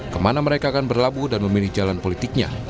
kemana mereka akan berlabuh dan memilih jalan politiknya